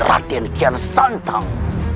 raden kian santang